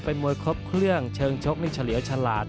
เป็นมวยครบเครื่องเชิงชกนี่เฉลียวฉลาด